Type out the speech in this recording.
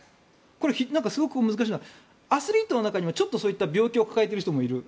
これ、すごく難しいのはアスリートの中にもそういう病気を抱えている人もいる。